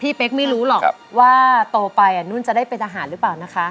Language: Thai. เป๊กไม่รู้หรอกว่าโตไปนุ่นจะได้เป็นทหารหรือเปล่านะคะ